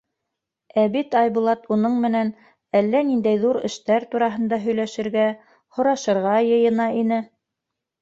Ә бит Айбулат уның менән әллә ниндәй ҙур эштәр тураһында һөйләшергә, һорашырға йыйына ине.